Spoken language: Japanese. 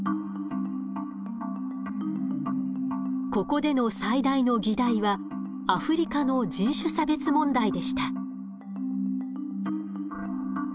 ここでの最大の議題はアフリカの人種差別問題でした。